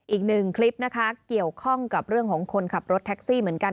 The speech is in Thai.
อีกหนึ่งคลิปนะคะเกี่ยวข้องกับเรื่องของคนขับรถแท็กซี่เหมือนกัน